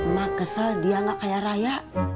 mak kesel dia gak kayak raya